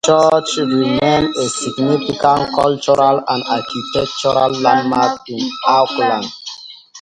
The church remains a significant cultural and architectural landmark in Oakland.